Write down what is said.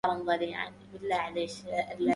أين من يشتري حمارا ضليعا